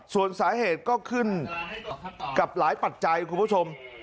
ส่วนสาเหตุก็ขึ้นกับหลายปัจจัยคุณผู้ชม